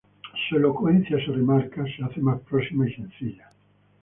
Su elocuencia se remarca, se hace más próxima y sencilla.